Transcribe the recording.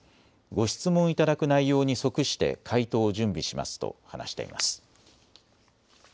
ご質問いただく内容に即して回答を準備しますと話しています。